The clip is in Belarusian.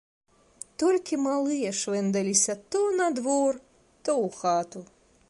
Толькі малыя швэндаліся то на двор, то ў хату.